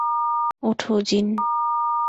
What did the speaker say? ওঠো, জিন!